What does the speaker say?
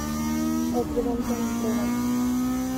Everyone can improvise.